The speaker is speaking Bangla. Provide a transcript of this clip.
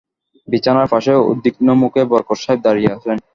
বিছানার পাশে উদ্বিগ্ন মুখে বরকত সাহেব দাঁড়িয়ে আছেন।